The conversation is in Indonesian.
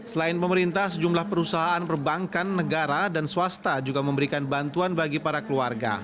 selain pemerintah sejumlah perusahaan perbankan negara dan swasta juga memberikan bantuan bagi para keluarga